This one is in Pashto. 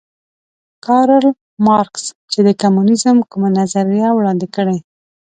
کارل مارکس چې د کمونیزم کومه نظریه وړاندې کړې